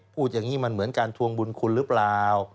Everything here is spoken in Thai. พูดอย่างนี้มันเหมือนการทวงบุญคุณหรือเปล่า